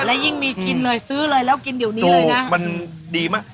และยิ่งมีกินเลยซื้อเลยแล้วกินเดี๋ยวนี้เลยนะมันดีมาก